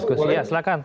diskusi ya silahkan